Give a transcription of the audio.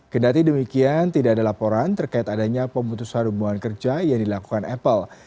kedati demikian tidak ada laporan terkait adanya pemutusan hubungan kerja yang dilakukan apple